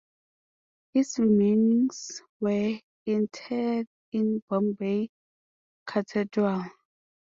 His remains were interred in Bombay Cathedral.